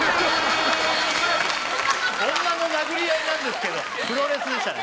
女の殴り合いなんですけどプロレスでしたね。